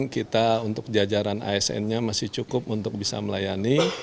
kita untuk jajaran asn nya masih cukup untuk bisa melayani